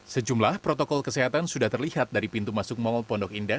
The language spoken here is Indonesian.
sejumlah protokol kesehatan sudah terlihat dari pintu masuk mall pondok indah